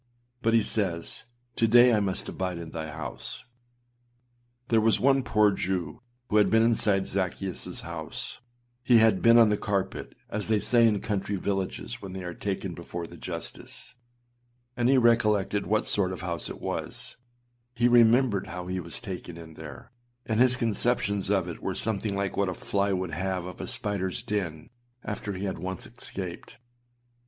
But he says, âTo day I must abide in thy house.â There was one poor Jew who had been inside Zaccheusâs house; he had âbeen on the carpet,â as they say in country villages when they are taken before the justice, and he recollected what sort of house it was; he remembered how he was taken in there, and his conceptions of it were something like what a fly would have of a spiderâs den after he had once escaped.